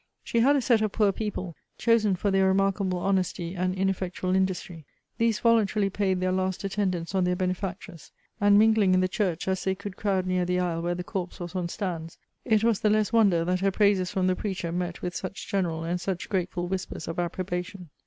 She had a set of poor people, chosen for their remarkable honesty and ineffectual industry. These voluntarily paid their last attendance on their benefactress; and mingling in the church as they could crowd near the aisle where the corpse was on stands, it was the less wonder that her praises from the preacher met with such general and such grateful whispers of approbation.